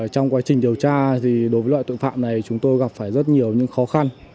trong quá trình điều tra thì đối với loại tội phạm này chúng tôi gặp phải rất nhiều những khó khăn